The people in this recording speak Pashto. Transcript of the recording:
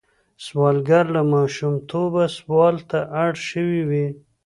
سوالګر له ماشومتوبه سوال ته اړ شوی وي